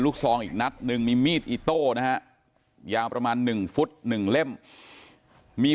ลูกซองอีกนัดนึงมีมีดอีกโต้นะครับยาวประมาณ๑ฟุต๑เล่มมี